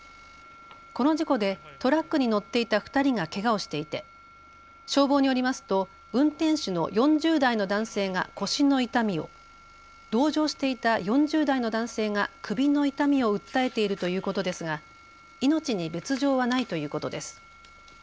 この事故でトラックに乗っていた２人がけがをしていて消防によりますと運転手の４０代の男性が腰の痛みを、同乗していた４０代の男性が首の痛みを訴えているということですが命に別状はないということです。